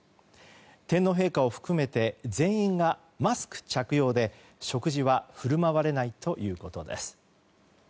天皇陛下を含めて全員がマスク着用で食事は振る舞われないということです。